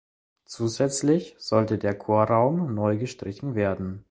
Zusätzlich sollte der Chorraum neu gestrichen werden.